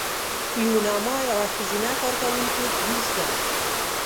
یوناما یوه ښځینه کارکوونکې ترور شوه.